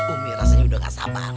umi rasanya udah gak sabar